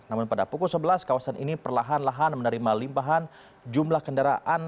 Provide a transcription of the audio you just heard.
namun pada pukul sebelas kawasan ini perlahan lahan menerima limpahan jumlah kendaraan